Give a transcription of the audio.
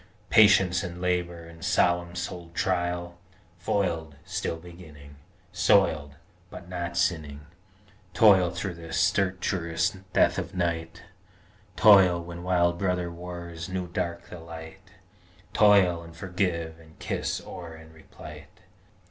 Patience and Labor and solemn souled Trial, Foiled, still beginning, Soiled, but not sinning. Toil through the stertorous death of the Night, Toil when wild brother wars new dark the Light, Toil, and forgive, and kiss o'er, and replight.